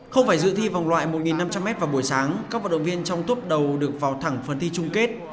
không phải dự thi vòng loại một năm trăm linh m vào buổi sáng các vận động viên trong tốp đầu được vào thẳng phần thi chung kết